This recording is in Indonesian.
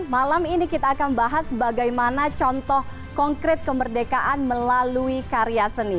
malam ini kita akan bahas bagaimana contoh konkret kemerdekaan melalui karya seni